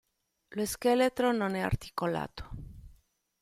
Lo scheletro non è articolato.